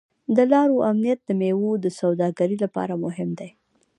د لارو امنیت د میوو د سوداګرۍ لپاره مهم دی.